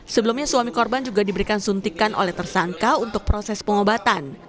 sebelumnya suami korban juga diberikan suntikan oleh tersangka untuk proses pengobatan